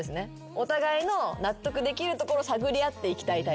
お互いの納得できるところ探り合っていきたいタイプ。